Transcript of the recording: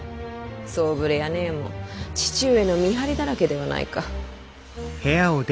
総触れや閨も父上の見張りだらけではないか。